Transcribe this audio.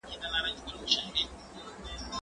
زه اوږده وخت د کتابتوننۍ سره خبري کوم؟